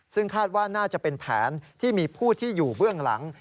ซึ่งคาดว่าน่าจะเป็นแผนที่มีผู้ที่อยู่เบื้องหลัง